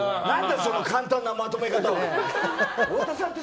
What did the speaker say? その簡単なまとめ方は。